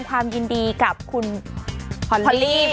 ความยินดีกับคุณคตปลื้ม